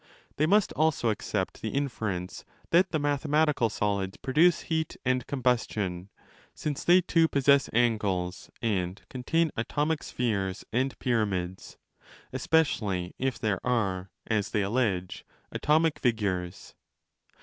They must also accept the inference that the mathe 2c matical solids produce heat and combustion, since they too possess angles and contain atomic spheres*® and pyramids, especially if there are, as they allege, atomic figures.